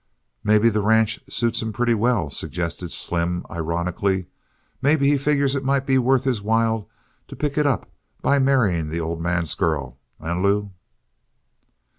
"Maybe the ranch suits him pretty well," suggested Slim, ironically. "Maybe he figures it might be worth his while to pick it up by marrying the old man's girl. Eh, Lew?"